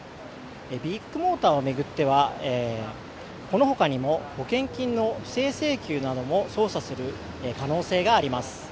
ビッグモーターを巡ってはこのほかにも保険金の不正請求なども捜査する可能性があります。